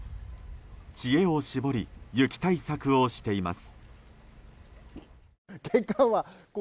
知恵を絞り雪対策をしています。